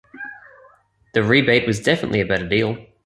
The rebate was definitely a better deal.